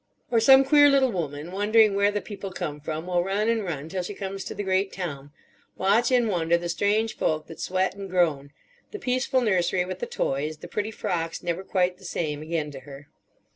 Or some queer little woman, wondering where the people come from, will run and run till she comes to the great town, watch in wonder the strange folk that sweat and groan—the peaceful nursery, with the toys, the pretty frocks never quite the same again to her.